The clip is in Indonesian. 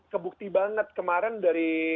kebukti banget kemarin dari